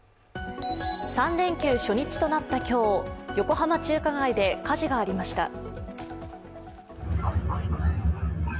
３連休初日となった今日横浜中華街で火事がありました。